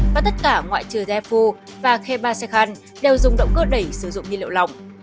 và tất cả ngoại trừ defun và khepa serkan đều dùng động cơ đẩy sử dụng nhiên liệu lỏng